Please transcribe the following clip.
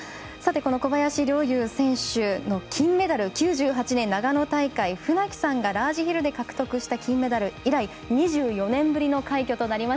小林陵侑選手の金メダル９８年、長野大会船木さんがラージヒルで獲得した金メダル以来２４年ぶりの快挙です。